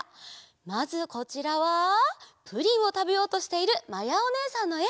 まずこちらはプリンをたべようとしているまやおねえさんのえ。